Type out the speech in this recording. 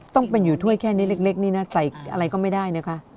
ต้องเป็นอยู่ถ้วยแค่นี้เล็กนี่นะใส่อะไรก็ไม่ได้นะคะ